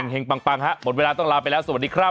แห่งปังฮะหมดเวลาต้องลาไปแล้วสวัสดีครับ